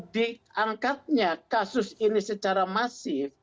diangkatnya kasus ini secara masif